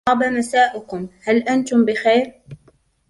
طاب مساؤكم! هل أنتم بخير